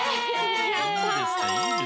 やった。